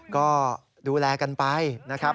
ก็ดูแลกันไปนะครับ